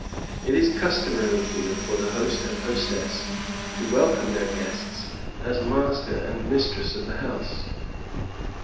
It is customary here for the host and hostess to welcome their guests as master and mistress of the house.